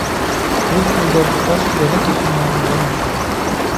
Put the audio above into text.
تۈرك تىلىدا بۇ تاش «يادا تېشى» نامى بىلەن مەشھۇر.